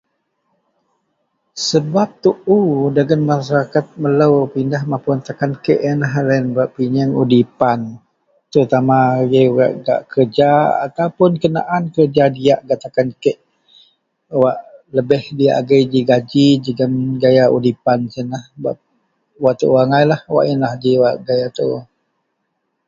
Sebab tuo dagen masarakat melo pindah mapun takan kek iyen loyen bak pinyeang udipan terutama.. [unintelligible] kerja atau kenaan kerja diyak gak takan kek wak lebeh diyak agei ji gaji jegem gaya udipan siyenlah wak tuo angai ji gaya tuo.